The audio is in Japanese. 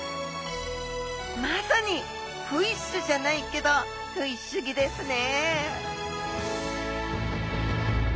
まさにフィッシュじゃないけどフィッシュギですね！